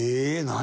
何？